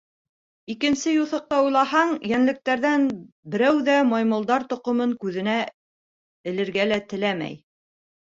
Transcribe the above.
Икенсе юҫыҡта уйлаһаң, йәнлектәрҙән берәү ҙә маймылдар тоҡомон күҙенә элергә лә теләмәй.